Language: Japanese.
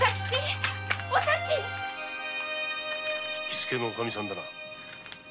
喜助のおかみさんだな？